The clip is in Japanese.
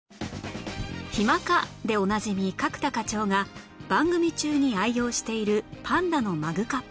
「暇か？」でおなじみ角田課長が番組中に愛用しているパンダのマグカップ